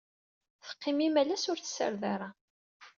Teqqim imalas ur tessared ara.